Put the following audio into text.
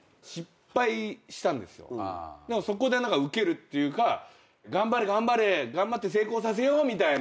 そこでウケるっていうか頑張れ頑張れ頑張って成功させようみたいな。